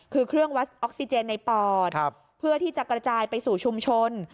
คือเครื่องวัดออกซิเจนในปอดเพื่อที่จะกระจายไปสู่ชุมชน